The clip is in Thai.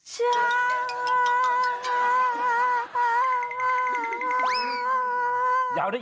จัง